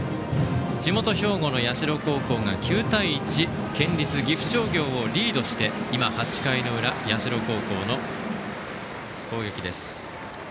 地元・兵庫の社高校が９対１県立岐阜商業をリードして今、８回の裏の社高校の攻撃です。